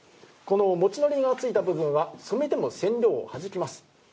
この、もち糊のついた部分は染めても染料をはじきます。